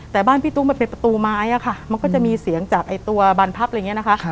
แต่บ้านพี่ตุ๊กมันเป็นประตูไม้อะค่ะมันก็จะมีเสียงจากตัวบานพับอะไรอย่างนี้นะคะ